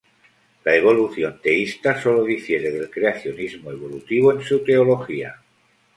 La evolución teísta sólo difiere del creacionismo evolutivo en su teología.